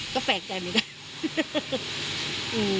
ก็แปลกใจเหมือนกัน